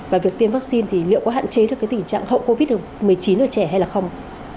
và việc tiêm vaccine thì liệu có hạn chế được cái tình trạng hậu covid một mươi chín ở trẻ hay là không